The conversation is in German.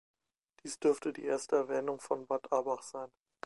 Dies dürfte die erste Erwähnung von Bad Abbach sein.